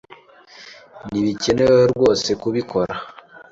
Ntibikenewe rwose kubikora.